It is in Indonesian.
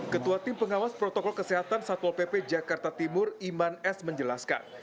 ketua tim pengawas protokol kesehatan satpol pp jakarta timur iman s menjelaskan